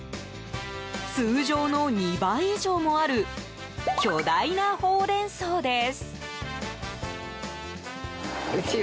通常の２倍以上もある巨大なホウレンソウです。